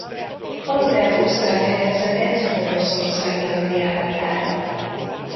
Albert osztrák herceget poroszországi hadjáratára.